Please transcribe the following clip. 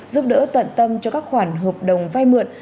giúp đỡ tận tâm cho các khoản hợp đồng vay mượn